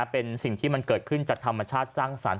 เป็นสิ่งที่มันเกิดขึ้นจากธรรมชาติสร้างสรรค